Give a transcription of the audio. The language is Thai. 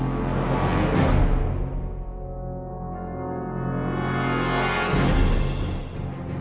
สวัสดีครับ